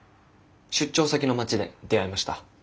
出張先の町で出会いました。